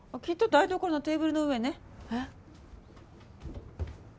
きっと台所のテーブルの上ね。